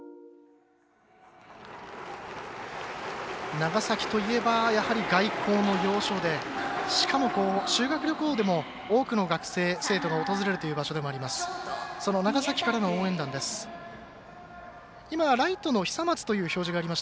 長崎といえばやはり外交の要所でしかも、修学旅行でも多くの学生や生徒が訪れるという場所でもあります。